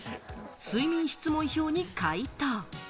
睡眠質問票に回答。